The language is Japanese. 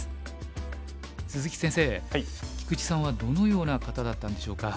鈴木先生菊池さんはどのような方だったんでしょうか。